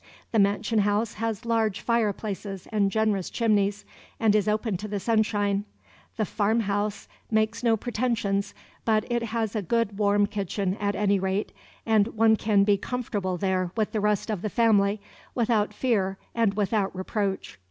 The mansion house has large fireplaces and generous chimneys, and is open to the sunshine. The farm house makes no pretensions, but it has a good warm kitchen, at any rate, and one can be comfortable there with the rest of the family, without fear and without reproach.